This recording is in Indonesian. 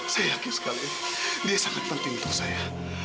saya yakin sekali dia sangat penting untuk saya